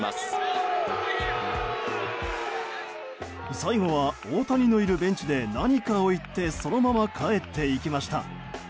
最後は大谷のいるベンチで何かを言ってそのまま帰っていきました。